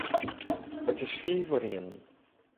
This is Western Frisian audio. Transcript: It is fiif oer ienen.